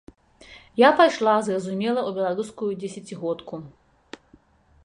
Я пайшла, зразумела, у беларускую дзесяцігодку.